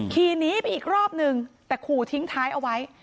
ขี่หนีไปอีกรอบนึงแต่ขู่ทิ้งท้ายเอาไว้